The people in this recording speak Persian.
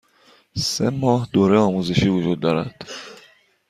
سه ماه دوره آزمایشی وجود دارد.